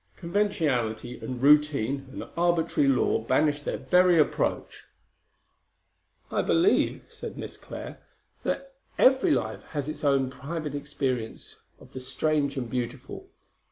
Conventionality and routine and arbitrary law banish their very approach." "I believe," said Miss Clare, "that every life has its own private experience of the strange and beautiful.